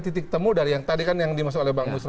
titik temu dari yang tadi kan yang dimaksud oleh bang nusra